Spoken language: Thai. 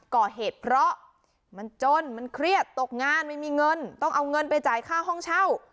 ก่อเหตุเพราะมันจนมันเครียดตกงานไม่มีเงินต้องเอาเงินไปจ่ายค่าห้องเช่า